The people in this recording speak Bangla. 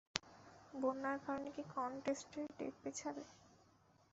বন্যার কারণে কি কন্টেস্টের ডেট পেছাবে?